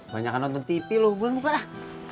banyak yang nonton tv loh bulan buka dah